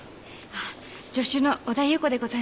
助手の小田夕子でございます。